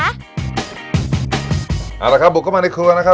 เอาละครับบุกเข้ามาในเครือนะครับ